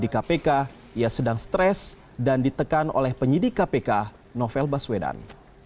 ia sedang stres dan ditekan oleh penyidi kpk novel baswedan